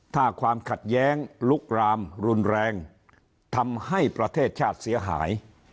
ถ้าความขัดแย้งลุกรามรุนแรงทำให้ประเทศชาติเสียหาย